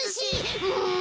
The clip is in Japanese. うん。